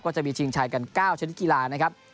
จะมีชิงชัยกัน๙ชนิดกีฬานะครับ